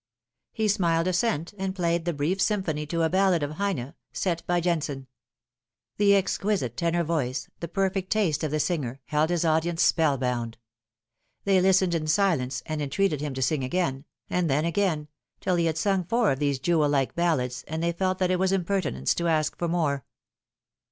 He smiled assent, and played the brief symphony to a ballad of Heine's, set by Jensen. The exquisite tenor voice, the per fect taste of the singer, held his audience spellbound. They listened in silence, and entreated him to sing again, and then again, till he had sung four of these jewel like ballads, and they felt that it was impertinence to ask for more.